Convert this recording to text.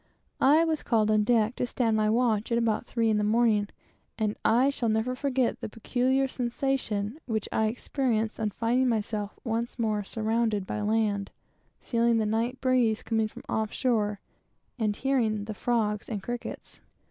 I was called on deck to stand my watch at about three in the morning, and I shall never forget the peculiar sensation which I experienced on finding myself once more surrounded by land, feeling the night breeze coming from off shore, and hearing the frogs and crickets.